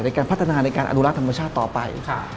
ในการพัฒนาในการอนุรักษ์ธรรมชาติต่อไป